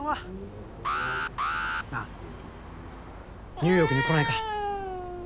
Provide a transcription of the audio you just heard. ニューヨークに来ないか？